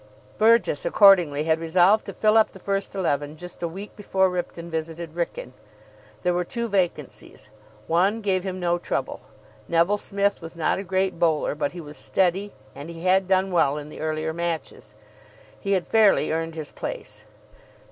Burgess, accordingly, had resolved to fill up the first eleven just a week before Ripton visited Wrykyn. There were two vacancies. One gave him no trouble. Neville Smith was not a great bowler, but he was steady, and he had done well in the earlier matches. He had fairly earned his place.